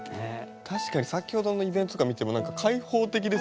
確かに先ほどのイベントとか見ても何か開放的ですよね。